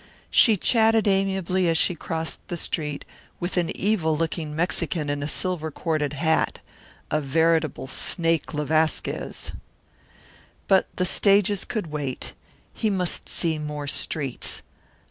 She chatted amiably, as she crossed the street, with an evil looking Mexican in a silver corded hat a veritable Snake de Vasquez. But the stages could wait. He must see more streets.